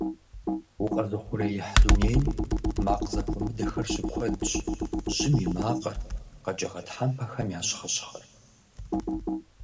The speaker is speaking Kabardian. Укъэзыухъуреихь дунейм макъ зэхуэмыдэхэр щыкуэдщ: жьым и макъыр, къэкӀыгъэ тхьэмпэхэм я щхъыщхъыр.